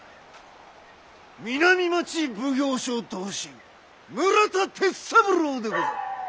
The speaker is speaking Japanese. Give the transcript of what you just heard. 南町奉行所同心村田銕三郎でござる。